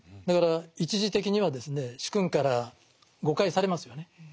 だから一時的にはですね主君から誤解されますよね。